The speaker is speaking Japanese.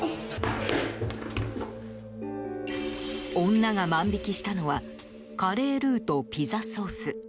女が万引きしたのはカレールーとピザソース。